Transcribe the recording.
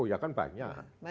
oh ya kan banyak